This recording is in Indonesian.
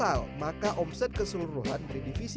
kalau tadi konsep maupun kreatif banget enggak ada em essas